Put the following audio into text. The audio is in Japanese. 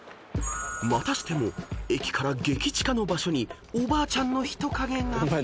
［またしても駅から激近の場所におばあちゃんの人影が］